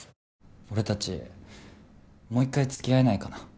俺達もう一回付き合えないかな？